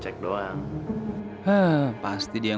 cumaken orang perpacagaan